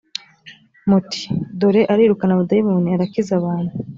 muti dore arirukana abadayimoni arakiza abantu